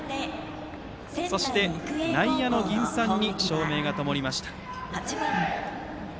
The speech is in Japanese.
そして内野の銀傘に照明がともりました。